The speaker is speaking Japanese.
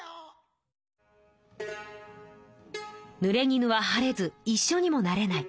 ぬれぎぬは晴れずいっしょにもなれない。